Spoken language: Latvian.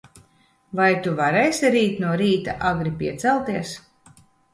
Vai Tu varēsi rīt no rīta agri piecelties?